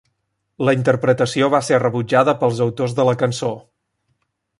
La interpretació va ser rebutjada pels autors de la cançó.